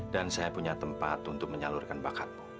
dan saya punya tempat untuk menyalurkan bakatmu